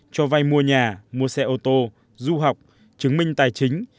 cho vay mua nhà mua xe ô tô du học chứng minh tài chính